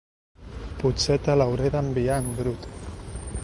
Potser te l'hauré d'enviar en brut.